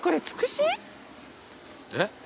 えっ？